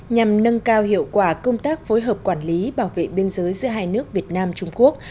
nhằm nâng cao hiệu quả công tác phối hợp quản lý bảo vệ biên giới giữa hai nước việt nam trung quốc